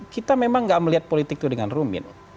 kita memang gak melihat politik itu dengan rumit